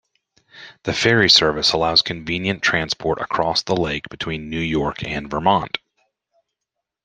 The ferry service allows convenient transport across the lake between New York and Vermont.